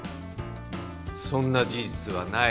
そんな事実はない。